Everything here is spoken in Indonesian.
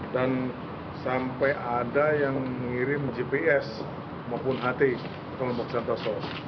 dan sampai ada yang mengirim gps maupun ht ke kelompok santoso